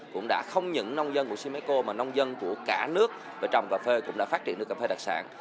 cũng đã không những nông dân của simeco mà nông dân của cả nước và trồng cà phê cũng đã phát triển được cà phê đặc sản